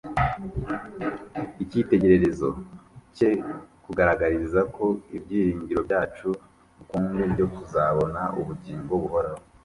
Icyitegererezo cye kuugaragariza ko ibyiringiro byacu rukumbi byo kuzabona ubugingo buhoraho